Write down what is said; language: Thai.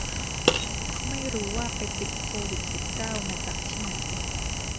ไม่รู้ว่าไปติดโควิดสิบเก้ามาจากที่ไหน